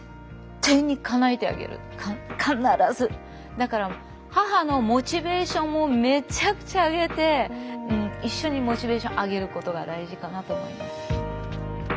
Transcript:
だから母のモチベーションもめちゃくちゃ上げて一緒にモチベーション上げることが大事かなと思います。